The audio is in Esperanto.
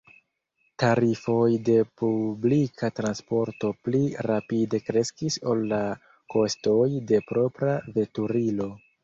Tarifoj de publika transporto pli rapide kreskis ol la kostoj de propra veturilo.